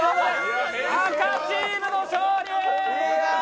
赤チームの勝利！